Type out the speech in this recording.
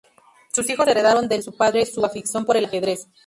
Sus hijos heredaron del su padre su afición por el ajedrez.